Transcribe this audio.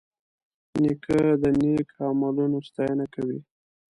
نیکه د نیک عملونو ستاینه کوي.